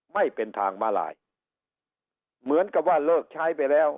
ไม่เป็นทางมาลายเหมือนกับว่าเลิกใช้ไปแล้ว